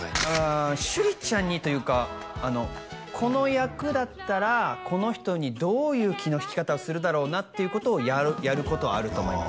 趣里ちゃんにというかあのこの役だったらこの人にどういう気の引き方をするだろうなっていうことをやることはあると思います